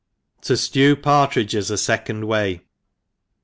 Tojiew Partridges afecond Wiy.